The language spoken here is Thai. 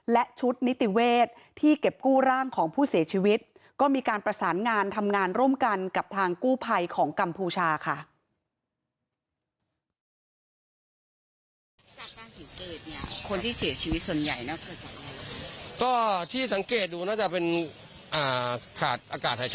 และชุดนิติเวศที่เก็บกู้ร่างของผู้เสียชีวิตก็มีการประสานงานทำงานร่วมกันกับทางกู้ภัยของกัมพูชาค่ะ